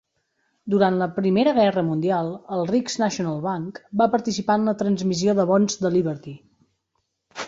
Durant la Primera Guerra Mundial, el Riggs National Bank va participar en la transmissió de bons de Liberty.